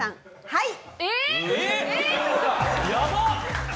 はい。